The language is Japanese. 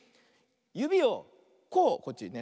ゆびをこうこっちにね。